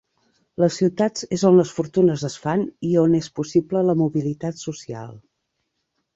Les ciutats és on les fortunes es fan i on és possible la mobilitat social.